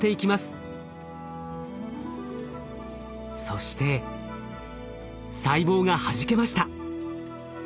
そして細胞がはじけました。